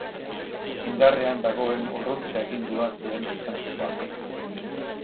Indarrean dagoen urruntze-agindua zuen gizonezkoak.